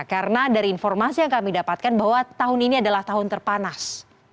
karena dari informasi yang kami dapatkan bahwa tahun ini adalah tahun terpanas